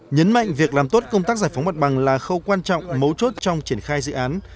nhấn mạnh việc làm tốt công tác giải phóng mặt bằng là khâu quan trọng mấu chốt trong triển khai dự án